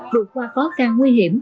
buộc qua khó khăn nguy hiểm